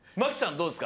どうですか？